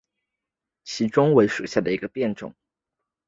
毛梗罗浮槭为槭树科枫属下的一个变种。